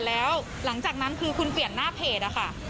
แล้วหลังจากนั้นคือคุณเปลี่ยนหน้าเพจอะค่ะ